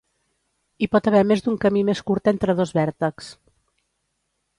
Hi pot haver més d'un camí més curt entre dos vèrtexs.